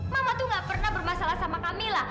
mama tuh gak pernah bermasalah sama kamila